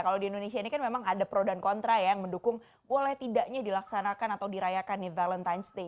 kalau di indonesia ini kan memang ada pro dan kontra yang mendukung boleh tidaknya dilaksanakan atau dirayakan valentine's day